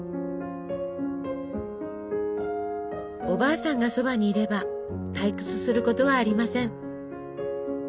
おばあさんがそばにいれば退屈することはありません。